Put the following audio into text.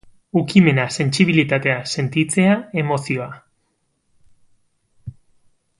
Ukimena, sentsibilitatea, sentitzea, emozioa.